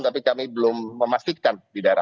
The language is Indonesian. tapi kami belum memastikan di daerah